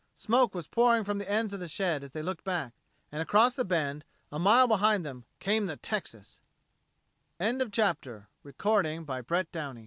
Smoke was pouring from the ends of the shed as they looked back. And across the bend, a mile behind them, came the Texas! CHAPTER FOURTEEN THE END OF T